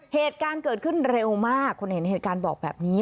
เหตุการณ์เกิดขึ้นเร็วมากคนเห็นเหตุการณ์บอกแบบนี้